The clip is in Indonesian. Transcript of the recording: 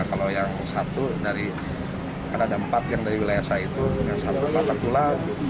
kalau yang satu karena ada empat yang dari wilayah saya itu yang satu patah pula